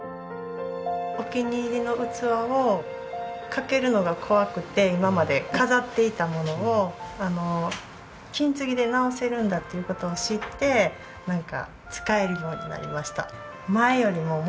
お気に入りの器を欠けるのが怖くて今まで飾っていたものを金継ぎで直せるんだっていう事を知って使えるようになりました。